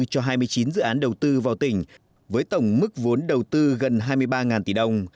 cho hai mươi chín dự án đầu tư vào tỉnh với tổng mức vốn đầu tư gần hai mươi ba tỷ đồng